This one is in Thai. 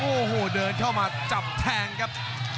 โอ้โหเดินเข้ามาจับแทงครับ